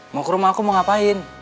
mau ke rumah aku mau ngapain